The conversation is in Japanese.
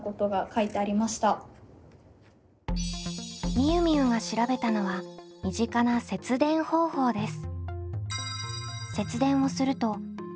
みゆみゆが調べたのは身近な節電方法です。